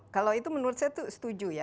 kalau itu menurut saya itu setuju ya